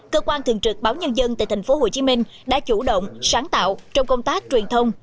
cơ quan thường trực báo nhân dân tại tp hcm đã chủ động sáng tạo trong công tác truyền thông